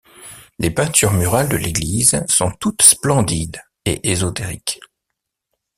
Les peintures murales de l'église sont toutes splendides et ésotériques.